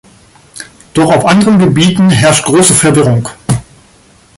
Doch auf anderen Gebieten herrscht große Verwirrung.